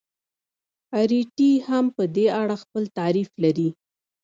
اریټي هم په دې اړه خپل تعریف لري.